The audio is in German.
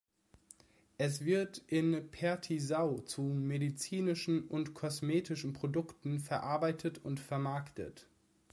Es wird in Pertisau zu medizinischen und kosmetischen Produkten verarbeitet und vermarktet.